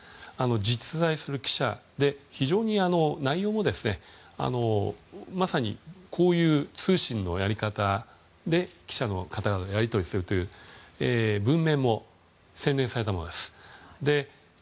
実在する記者で、非常に内容もまさに、こういう通信のやり方で記者の方がやり取りするという文面も洗練されたものです。